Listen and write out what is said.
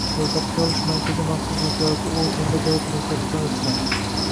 Ro‘yxatga olish markazi maxsus vakolatli organda davlat ro‘yxatidan o‘tgan